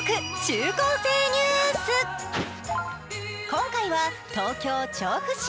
今回は東京・調布市。